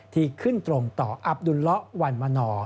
ที่ขึ้นตรงต่ออับดุลละวันมนอร์